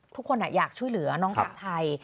ทุกคนอยากช่วยเหลือน้องคนไทย